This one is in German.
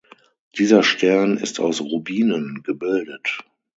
Dieser Stern ist aus Rubinen gebildet.